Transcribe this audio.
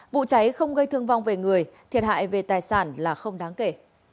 vụ cháy không gây thương vong về người thiệt hại về tài sản là không đáng kể